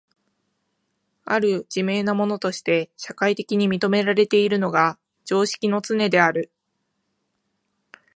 或る自明なものとして社会的に認められているのが常識のつねである。